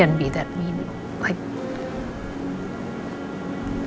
dia bisa jadi seperti itu